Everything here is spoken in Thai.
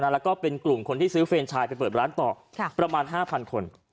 แล้วก็เป็นกลุ่มคนที่ซื้อเฟรนชายไปเปิดร้านต่อประมาณ๕๐๐คน